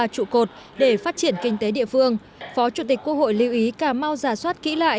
trụ cột để phát triển kinh tế địa phương phó chủ tịch quốc hội lưu ý cà mau giả soát kỹ lại